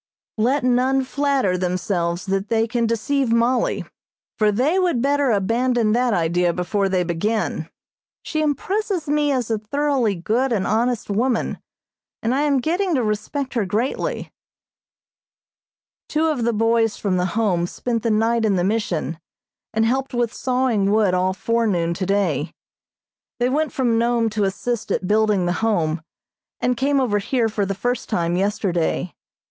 Let none flatter themselves that they can deceive Mollie, for they would better abandon that idea before they begin. She impresses me as a thoroughly good and honest woman, and I am getting to respect her greatly. Two of the boys from the Home spent the night in the Mission, and helped with sawing wood all forenoon today. They went from Nome to assist at building the Home, and came over here for the first time yesterday.